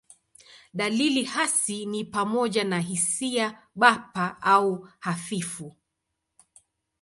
Dalili hasi ni pamoja na hisia bapa au hafifu.